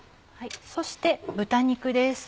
そして豚肉です。